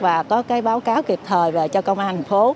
và có báo cáo kịp thời về cho công an phố